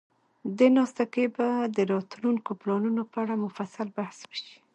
دې ناسته کې به د راتلونکو پلانونو په اړه مفصل بحث وشي.